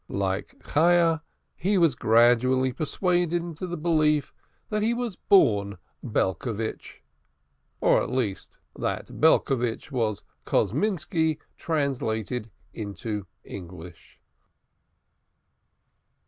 Like his wife, Chayah, he was gradually persuaded into the belief that he was a born Belcovitch, or at least that Belcovitch was Kosminski translated into English.